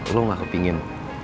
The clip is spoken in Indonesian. lo gak kepengen